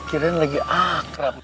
akhirnya lagi akrab